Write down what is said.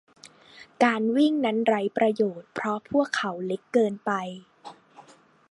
การวิ่งนั้นไร้ประโยชน์เพราะพวกเขาเล็กเกินไป